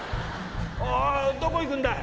「おおどこ行くんだい？」。